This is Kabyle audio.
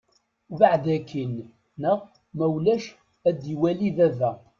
Beɛd akin neɣ ma ulac ad d-iwali baba.